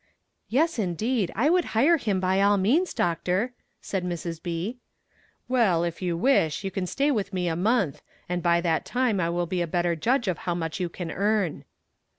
"Yes indeed, I would hire him by all means, Doctor," said Mrs. B. "Well, if you wish, you can stay with me a month, and by that time I will be a better judge how much you can earn."